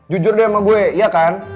jujur deh sama gue iya kan